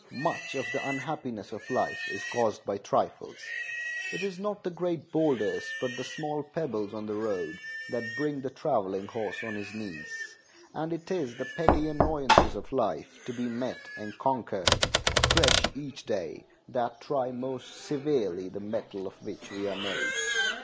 Much of the unhappiness of life is caused by trifles. It is not the great bowlders, but the small pebbles on the road, that bring the traveling horse on his knees; and it is the petty annoyances of life, to be met and conquered afresh each day, that try most severely the metal of which we are made.